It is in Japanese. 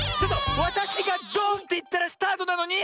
わたしがドーンっていったらスタートなのに！